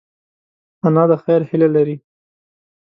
انا د خیر هیله لري